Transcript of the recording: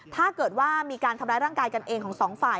ถ้าเกิดว่ามีการทำร้ายร่างกายกันเองของสองฝ่าย